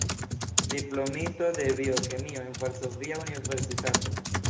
Diplomito de biokemio en Varsovia Universitato.